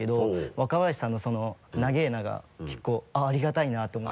若林さんの「なげぇな」が結構「ありがたいな」って思って。